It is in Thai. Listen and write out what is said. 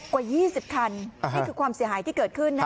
กว่ายี่สิบคันอ่าฮะนี่คือความเสียหายที่เกิดขึ้นนะคะ